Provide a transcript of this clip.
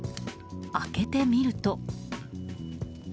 開けてみると。